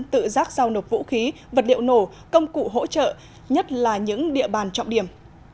tự giác giao nộp vũ khí vật liệu nổ công cụ hỗ trợ nhất là những địa bàn trọng điểm